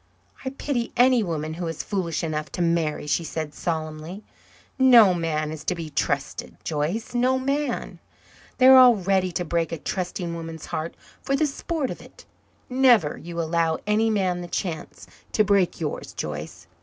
"I pity any woman who is foolish enough to marry," she said solemnly. "No man is to be trusted, Joyce no man. They are all ready to break a trusting woman's heart for the sport of it. Never you allow any man the chance to break yours, Joyce.